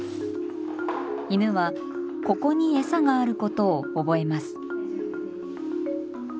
犬はここにエサがあることを覚えます。